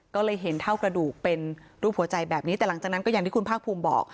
ก็เลยเห็นเท่ากระดูกเป็นรูปหัวใจแบบนี้แต่หลังจากนั้นก็อย่างที่คุณภาคภูมิบอก